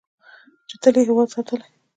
چې تل یې هیواد ساتلی.